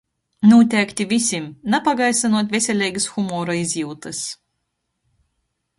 Nūteikti vysim - napagaisynuot veseleigys humora izjiutys!